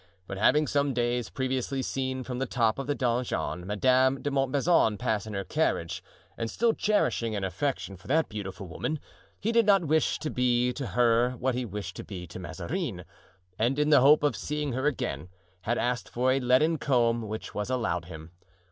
But having some days previously seen from the top of the donjon Madame de Montbazon pass in her carriage, and still cherishing an affection for that beautiful woman, he did not wish to be to her what he wished to be to Mazarin, and in the hope of seeing her again, had asked for a leaden comb, which was allowed him.